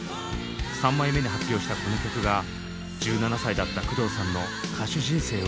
３枚目に発表したこの曲が１７歳だった工藤さんの歌手人生を決定づけます。